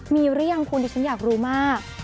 มีหรือยังคุณดิฉันอยากรู้มาก